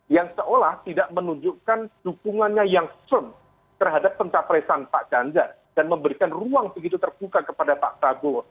yang seolah tidak menunjukkan dukungannya yang stern terhadap pencaparesan pak janja dan memberikan ruang begitu terbuka kepada pak sago